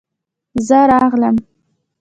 زه راغلم.